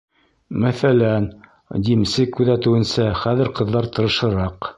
Мәҫәлән, димсе күҙәтеүенсә, хәҙер ҡыҙҙар тырышыраҡ.